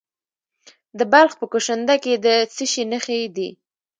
د بلخ په کشنده کې د څه شي نښې دي؟